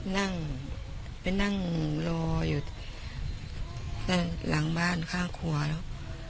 นั่งไปนั่งรออยู่ด้านหลังบ้านข้างครัวแล้ว